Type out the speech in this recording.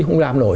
không làm nổi